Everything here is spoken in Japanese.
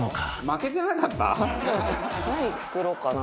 「負けてなかった？」